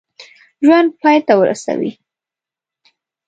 ژوند پای ته ورسوي.